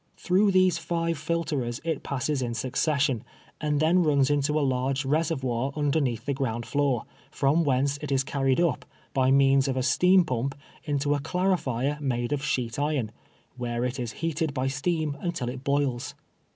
Tlirough these five filterers it passes in succession, and then runs into a large reservoir underneath the ground floor, from whence it is carried up, by means of a steam pump, into a clarifier made of sheet iron, where it is heated by steam until it boils.